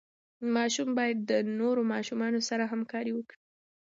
ماشوم باید د نورو ماشومانو سره همکاري وکړي.